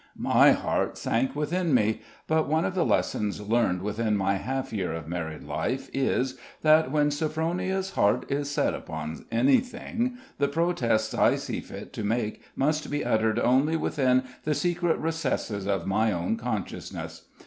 My heart sank within me; but one of the lessons learned within my half year of married life is, that when Sophronia's heart is set upon anything, the protests I see fit to make must be uttered only within the secret recesses of my own consciousness.